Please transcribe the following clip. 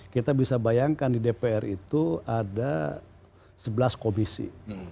kita bisa bayangkan di dpr itu ada sebelas komisi